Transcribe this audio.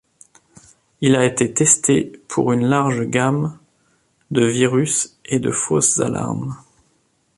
Il a été testé pour une large gamme de virus et de fausses alarmes.